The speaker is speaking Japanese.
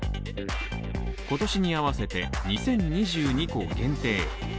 今年に合わせて２０２２個限定。